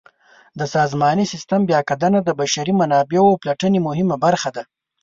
د سازماني سیسټم بیاکتنه د بشري منابعو پلټنې مهمه موخه ده.